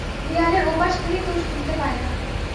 দেয়ালের ও পাশ থেকে কেউ শুনতে পায় না।